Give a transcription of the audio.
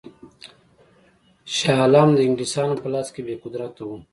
شاه عالم د انګلیسیانو په لاس کې بې قدرته وو.